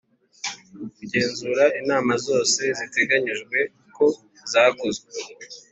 Kugenzura inama zose ziteganyijwe ko zakozwe